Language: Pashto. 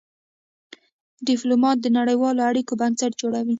ډيپلومات د نړېوالو اړیکو بنسټ جوړوي.